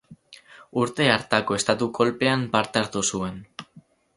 Urte hartako estatu-kolpean parte hartu zuen.